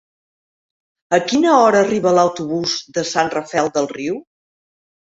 A quina hora arriba l'autobús de Sant Rafel del Riu?